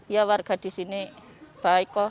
ya warga di sini baik kok